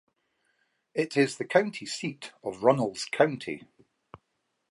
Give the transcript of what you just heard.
It is the county seat of Runnels County.